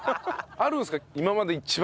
あるんですか？